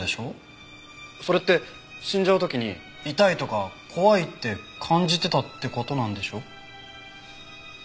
それって死んじゃう時に痛いとか怖いって感じてたって事なんでしょ？